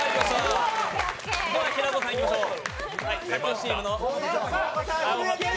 平子さん、いきましょう。